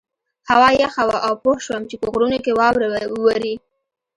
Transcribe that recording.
هوا یخه وه او پوه شوم چې په غرونو کې واوره وورې.